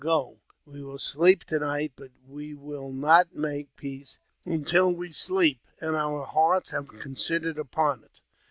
Go ! We will sleep to night ; but we will not make peace until we sleep, and our hearts have considered upon it.